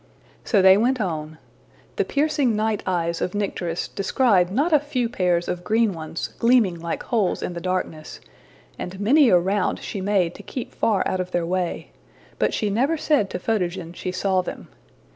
'' So they went on. The piercing night eyes of Nycteris descried not a few pairs of green ones gleaming like holes in the darkness, and many a round she made to keep far out of their way; but she never said to Photogen she saw them.